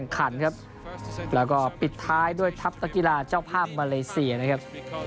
ขันครับแล้วก็ปิดท้ายด้วยทัพนักกีฬาเจ้าภาพมาเลเซียนะครับ